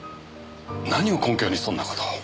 何を根拠にそんな事を。